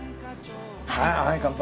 はい乾杯。